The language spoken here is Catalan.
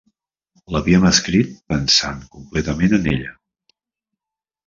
L'havíem escrit pensant completament en ella.